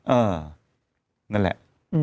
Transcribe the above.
เออนั่นแหละ